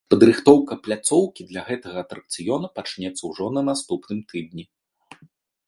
Падрыхтоўка пляцоўкі для гэтага атракцыёна пачнецца ўжо на наступным тыдні.